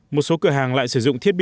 một số cửa hàng lại sử dụng thiết bị